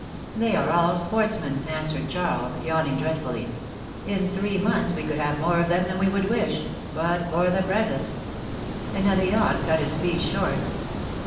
They are all sportsmen," answered Charles, yawning dreadfully. ^^In three months we could have more of them than we would wish ; but for the present —" Another yawn cut his speech short.